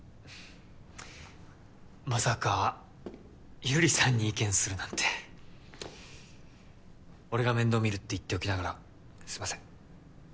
まさか百合さんに意見するなんて俺が面倒見るって言っておきながらすいません